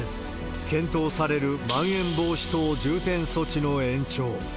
検討されるまん延防止等重点措置の延長。